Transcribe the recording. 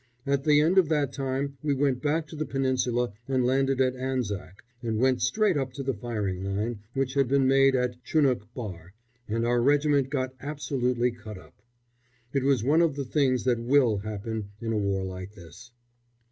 At the end of that time we went back to the Peninsula and landed at Anzac, and went straight up to the firing line, which had been made at Chunuk Bahr and our regiment got absolutely cut up. It was one of the things that will happen in a war like this.